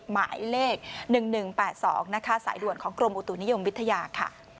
หมายเลข๑๑๘๒นะคะสายด่วนของกรมอุตุนิยมวิทยาค่ะ